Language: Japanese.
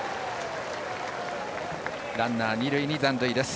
ランナー、二塁に残塁です。